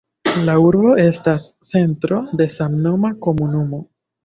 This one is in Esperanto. La urbo estas centro de samnoma komunumo.